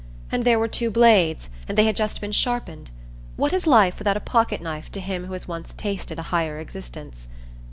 And there were two blades, and they had just been sharpened! What is life without a pocket knife to him who has once tasted a higher existence?